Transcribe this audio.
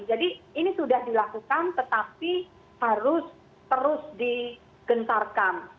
jadi ini sudah dilakukan tetapi harus terus digentarkan